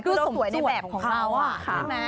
ดูสมจุดของเขาค่ะ